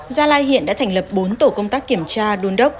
gia lai hiện đã thành lập bốn tổ công tác kiểm tra đôn đốc